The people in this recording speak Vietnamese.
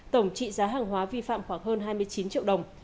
tổng trị giá hàng hóa vi phạm khoảng hơn hai mươi chín triệu đồng